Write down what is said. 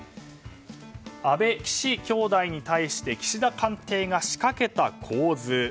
安倍・岸兄弟に対して岸田官邸が仕掛けた構図。